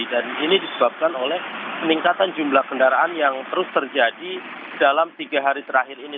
dan ini disebabkan oleh peningkatan jumlah kendaraan yang terus terjadi dalam tiga hari terakhir ini